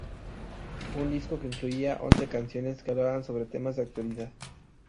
Un disco que incluía once canciones que hablaban sobre temas de actualidad.